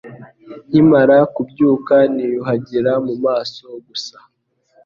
Nkimara kubyuka, niyuhagira mumaso gusa